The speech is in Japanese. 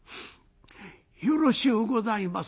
よろしゅうございます。